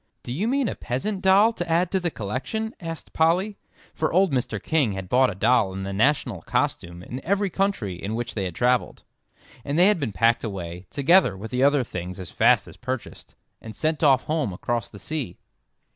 "Do you mean a peasant doll to add to the collection?" asked Polly; for old Mr. King had bought a doll in the national costume in every country in which they had travelled, and they had been packed away, together with the other things as fast as purchased, and sent off home across the sea.